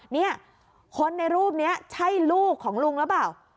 เนี่ยคนในรูปนี้ใช่ลูกของลุงหรือเปล่า